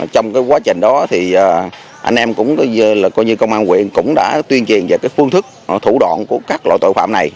trong cái quá trình đó thì anh em cũng gọi như là công an quyền cũng đã tuyên truyền về cái phương thức thủ đoạn của các loại tội phạm này